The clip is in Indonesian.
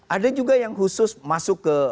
ada juga yang khusus masuk ke